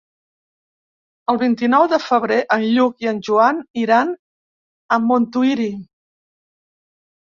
El vint-i-nou de febrer en Lluc i en Joan iran a Montuïri.